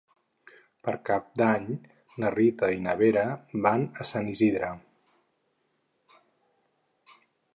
Per Cap d'Any na Rita i na Vera van a Sant Isidre.